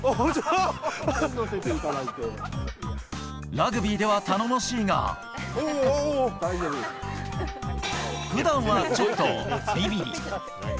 ラグビーでは頼もしいが、普段はちょっとビビリ。